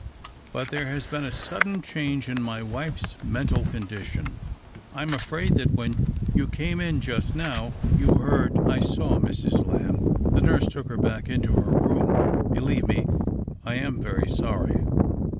But there has been a sudden change in my wife's mental condition. I'm afraid that when you came in just now you heard "" I saw Mrs. Lam1). The nurse took her back into her room. Believe me, I am very sorry."